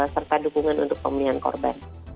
serta dukungan untuk pemulihan korban